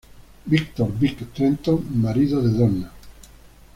Victor "Vic" Trenton: Marido de Donna.